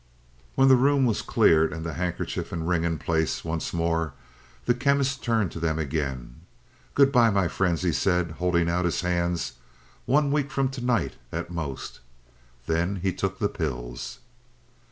When the room was cleared, and the handkerchief and ring in place once more, the Chemist turned to them again. "Good by, my friends," he said, holding out his hands. "One week from to night, at most." Then he took the pills.